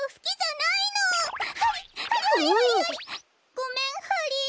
ごめんハリ。